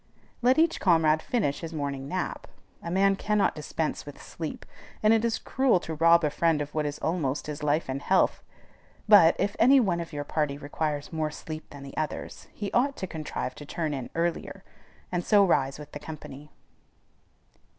Let each comrade finish his morning nap. A man cannot dispense with sleep, and it is cruel to rob a friend of what is almost his life and health. But, if any one of your party requires more sleep than the others, he ought to contrive to "turn in" earlier, and so rise with the company.